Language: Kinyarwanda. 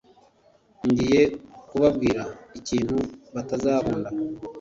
ngiye kubabwira ikintu batazakunda: